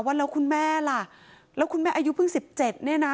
ว่าแล้วคุณแม่ล่ะแล้วคุณแม่อายุเพิ่ง๑๗เนี่ยนะ